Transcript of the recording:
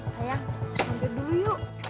sayang mandir dulu yuk